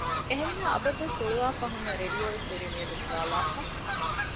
އެހެންޏާ އަބަދުވެސް ހުޅުވާފައި ހުންނަ ރެޑިޔޯވެސް ހުރީ މިއަދު ނިވާލާފަ